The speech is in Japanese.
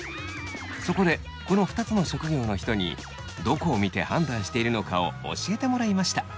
そこでこの２つの職業の人にどこを見て判断しているのかを教えてもらいました。